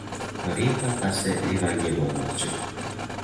Rim papasi Livanga bormoqchi